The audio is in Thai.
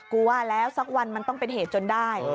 กลัวแล้วสักวันมันต้องเป็นเหตุจนได้